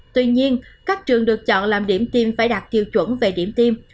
tuy nhiên các trường được chọn làm điểm tiêm phải đạt tiêu chuẩn về điểm tiêm